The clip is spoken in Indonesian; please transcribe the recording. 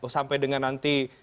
sampai dengan nanti